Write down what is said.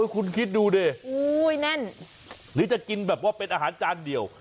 คุณคิดดูดิแน่นหรือจะกินแบบว่าเป็นอาหารจานเดียว